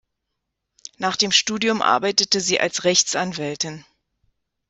Nach dem Studium arbeitete sie als Rechtsanwältin.